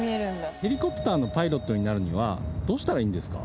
ヘリコプターのパイロットになるにはどうしたらいいんですか？